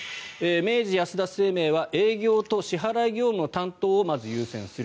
明治安田生命は営業と支払い業務の担当をまず優先する。